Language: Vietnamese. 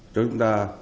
cho chúng ta